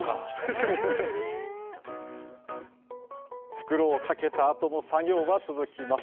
袋をかけたあとも作業は続きます。